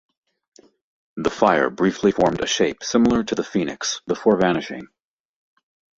The fire briefly formed a shape similar to the Phoenix before vanishing.